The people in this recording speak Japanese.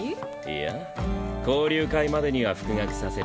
いや交流会までには復学させる。